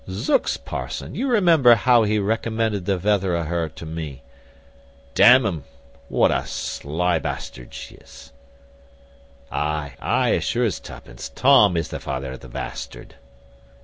Zooks, parson, you remember how he recommended the veather o' her to me. D n un, what a sly b ch 'tis. Ay, ay, as sure as two pence, Tom is the veather of the bastard."